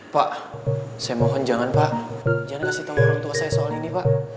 pak saya mohon jangan pak jangan kasih tahu orang tua saya soal ini pak